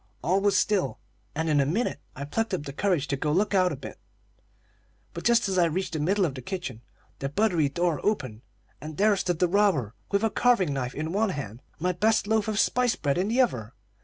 All was still, and in a minute I plucked up courage to go to look out a bit; but just as I reached the middle of the kitchen, the buttery door opened, and there stood the robber, with a carving knife in one hand and my best loaf of spice bread in the other.